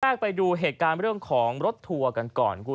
ไปดูเหตุการณ์เรื่องของรถทัวร์กันก่อนคุณ